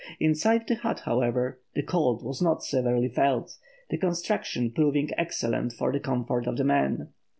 Inside the hut, however, the cold was not severely felt, the construction proving excellent for the comfort of the men.